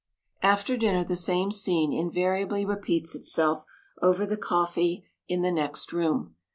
After dinner the same scene invariably repeats itself, over the coffee in the "next room."